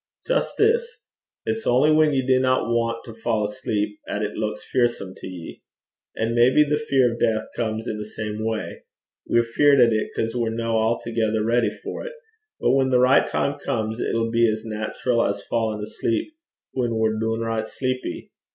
'Jist this: it's only whan ye dinna want to fa' asleep 'at it luiks fearsome to ye. An' maybe the fear o' death comes i' the same way: we're feared at it 'cause we're no a'thegither ready for 't; but whan the richt time comes, it'll be as nat'ral as fa'in' asleep whan we're doonricht sleepy.